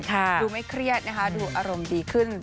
ดูไม่เครียดนะคะดูอารมณ์ดีขึ้น